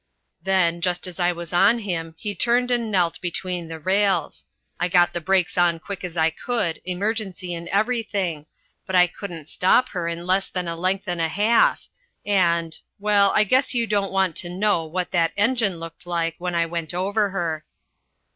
Then, just as I was on him he turned and knelt between the rails. I got the brakes on quick as I could, emergency and everything, but I couldn't stop her in less than a length and a half, and well, I guess you don't want to know what that engine looked like when I went over her."